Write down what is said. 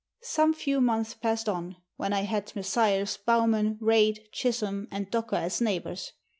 Some few months passed on, when I had Messrs. Bowman, Reid, Chisholm, and Docker as neighbours.